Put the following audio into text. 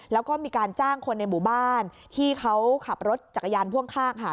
แล้วก็มีการจ้างคนในหมู่บ้านที่เขาขับรถจักรยานพ่วงข้างค่ะ